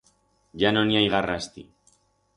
Ya no n'i hai garra astí.